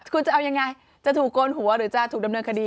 คุณจะเอายังไงจะถูกโกนหัวหรือจะถูกดำเนินคดี